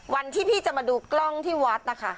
วันที่พี่จะมาดูกล้องที่วัดนะคะ